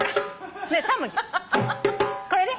これね。